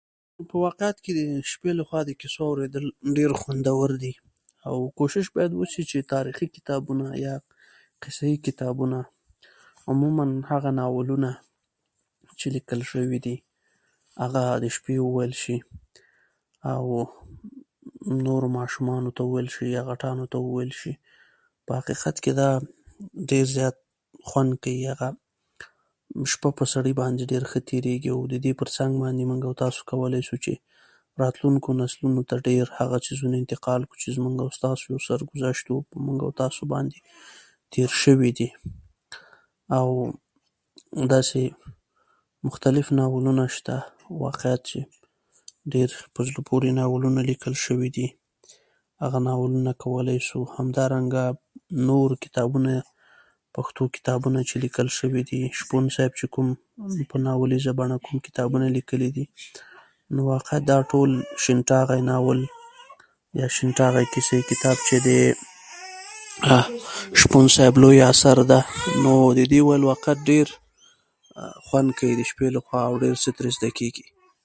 په واقعیت کې د شپې لخوا د کیسو اوریدل دېر خندور دي او باید کوشش باید وشی چې تاريخي کتابونه یا کیسه يي کتابونه عموما هغه ناولونه چې لیکل شوي دي هغه د شپې وویل شي او نور ماشومانو ته وویل یا غتانو ته وویل شي په حقیقت کې دا دېر زيات خوند کوي هغه شپه په سړي باندې دېره ښه تیريږي او د دې په څنګ کې موږ کولای شو راتلونکمو نسلونو ته دېر هغه څیزونه انتقال کړو چې زموږ او ستاسې سرګذشت و په موږ او تاسو باندې تېر شوي دي او داسې مختلف نالونه شته واقعيت چې دېر پ ه زړه پورې ناولونه لیکل شوي دي هغه ناولونه کولای شو همدارنګه نور کنابونه پښتو کتابونه چې لیکل شوي دي شپون صاحب چې کوم په ماوليزه لیکلي دي شين ټاغی ناول یا شین تاغی کیسه یی کتاب چې دی هغه شپون صاحب لوی اثر ده نو د دې ویل دېر خوند کوي د شپې لخوا او دېر څه ترې زده کېږي